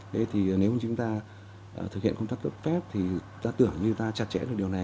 thế thì nếu chúng ta thực hiện công tác tốt phép thì ta tưởng như ta chặt chẽ được điều này